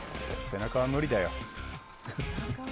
背中は無理だよ。